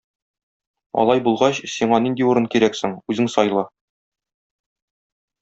Алай булгач сиңа нинди урын кирәк соң, үзең сайла.